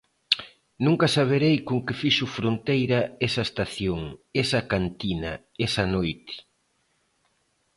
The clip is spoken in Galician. Nunca saberei con que fixo fronteira esa estación, esa cantina, esa noite.